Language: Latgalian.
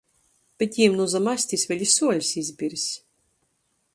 Bet jim nu zam astis vēļ i suoļs izbirs...